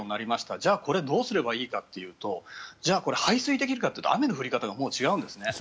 じゃあ、これはどうすればいいかというとじゃあこれ、排水できるかというと雨の降り方が違うんですね。